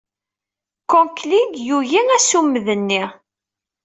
Conkling yuki assummed-nni.